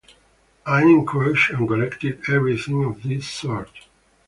I encouraged and collected every thing of this sort.